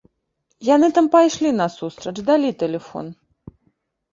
Яны там пайшлі насустрач, далі тэлефон.